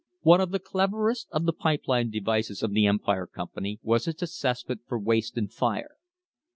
One of the cleverest of the pipe line devices of the Empire Company was its assessment for waste and fire.